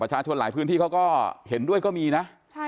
ใช่ค่ะ